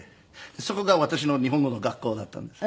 そこが私の日本語の学校だったんです。